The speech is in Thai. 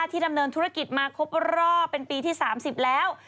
ดำเนินธุรกิจมาครบรอบเป็นปีที่๓๐แล้ว